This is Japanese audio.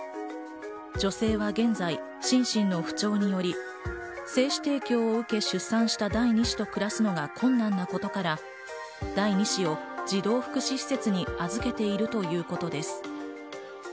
女性は現在、心身の不調により精子提供を受け出産した第２子と暮らすのが困難なことから、第２子を児童福祉施設に預けているということです。